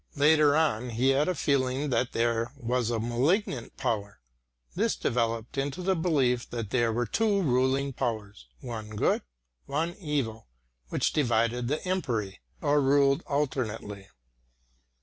Later on he had a feeling that there was a malignant power; this developed into the belief that there were two ruling powers, one good, one evil, which divided the empery, or ruled alternately.